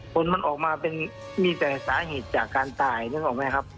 ผลมันออกมาเป็นมีแต่สาเหตุจากการตายนึกออกไหมครับ